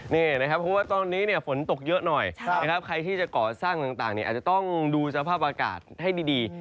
เพราะว่าตอนนี้ฝนตกเยอะหน่อยนะครับใครที่จะก่อสร้างต่างอาจจะต้องดูสภาพอากาศให้ดี